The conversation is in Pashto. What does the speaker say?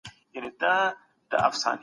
ويښ زلميانو د ملت لپاره ستر رول ولوباوه.